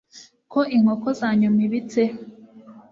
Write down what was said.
ko inkoko zanyuma ibitse